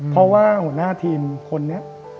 เพราะว่าหัวหน้าทีมคนนี้